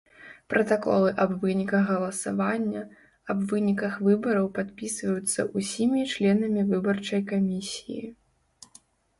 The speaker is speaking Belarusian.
Пратаколы аб выніках галасавання, аб выніках выбараў падпісваюцца ўсімі членамі выбарчай камісіі.